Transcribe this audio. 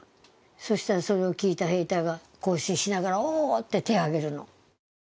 そしたらそれを聞いた兵隊が行進しながらおーって手を上げるの。